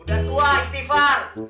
udah tua istighfar